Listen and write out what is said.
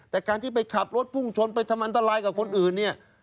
แต่การที่ไปขับรถพุ่งชนไปทำอันตรายกับคนอื่นเนี่ย